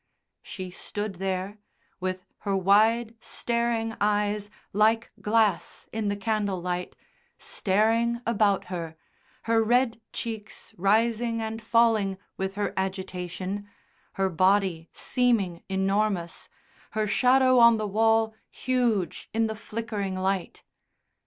She stood there, with her wide, staring eyes, like glass in the candle light, staring about her, her red cheeks rising and falling with her agitation, her body seeming enormous, her shadow on the wall huge in the flickering light.